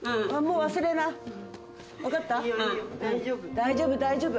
大丈夫大丈夫。